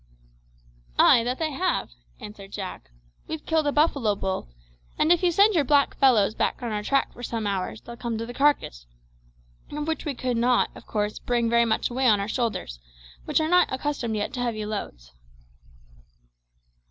"Ay, that they have," answered Jack. "We've killed a buffalo bull, and if you send your black fellows back on our track for some hours they'll come to the carcass, of which we could not, of course, bring very much away on our shoulders, which are not accustomed yet to heavy loads."